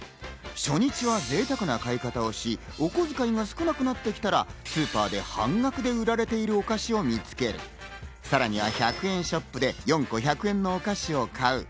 初日はぜいたくな使い方をし、おこづかいが少なくなってきたらスーパーで半額で売られているお菓子を見つけ、さらには１００円ショップで４個１００円のお菓子を買う。